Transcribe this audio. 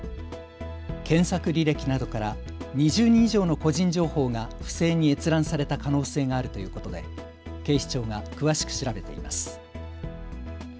検索履歴などから２０人以上の個人情報が不正に閲覧された可能性があるということで警視庁が詳しく調べています。